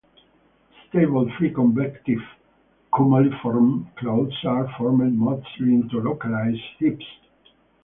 Unstable free-convective "cumuliform" clouds are formed mostly into localized heaps.